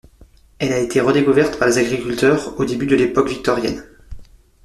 Elle a été redécouverte par les agriculteurs au début de l'époque victorienne.